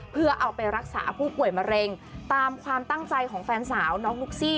เพื่อเอาไปรักษาผู้ป่วยมะเร็งตามความตั้งใจของแฟนสาวน้องนุ๊กซี่